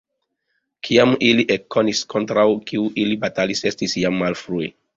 Kiam ili ekkonis kontraŭ kiu ili batalis, estis jam malfrue.